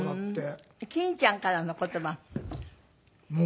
欽ちゃんからの言葉も。